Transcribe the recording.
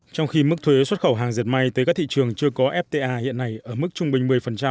trong khi mức thuế xuất khẩu hàng diệt may tới các thị trường chưa có fta hiện nay ở mức trung bình một mươi